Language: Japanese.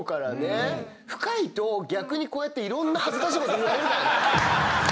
深いと逆にこうやっていろんな恥ずかしいこと言われるからね。